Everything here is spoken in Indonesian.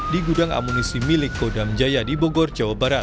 di gudang amunisi milik kodam jaya di bogor jawa barat